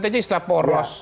itu istilah poros